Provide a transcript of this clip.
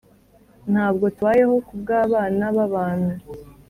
Ntabwo tubayeho kubwabana babantu